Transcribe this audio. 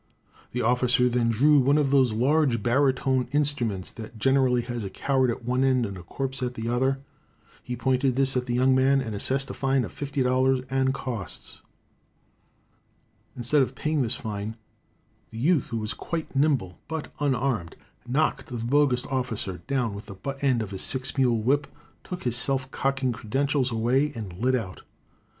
The officer then drew one of those large baritone instruments that generally has a coward at one end and a corpse at the other. He pointed this at the young man and assessed a fine of $50 and costs. Instead of paying this fine, the youth, who was quite nimble, but unarmed, knocked the bogus officer down with the butt end of his six mule whip, took his self cocking credentials away and lit out.